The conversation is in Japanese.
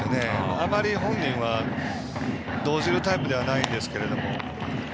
あまり本人は動じるタイプではないんですけど。